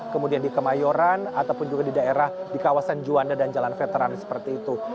kemudian di kemayoran ataupun juga di daerah di kawasan juanda dan jalan veteran seperti itu